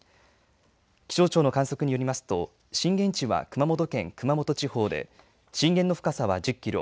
気象庁の観測によりますと、震源地は熊本県熊本地方で震源の深さは１０キロ。